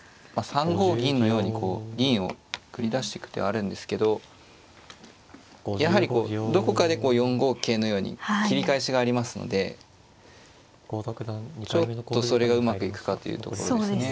３五銀のようにこう銀を繰り出してく手はあるんですけどやはりこうどこかで４五桂のように切り返しがありますのでちょっとそれがうまくいくかというところですね。